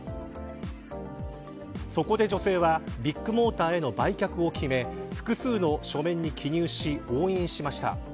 そこで女性はビッグモーターへの売却を決め複数の書面に記入し押印しました。